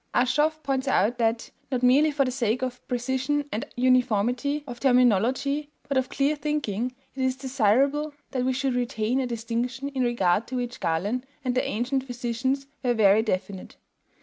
Aschoff points out that, not merely for the sake of precision and uniformity of terminology but of clear thinking, it is desirable that we should retain a distinction in regard to which Galen and the ancient physicians were very definite.